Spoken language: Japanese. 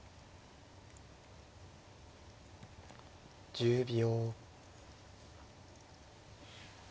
１０秒。